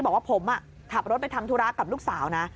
บอกว่าผมขับรถไปทำธุระกับลูกสาวนะ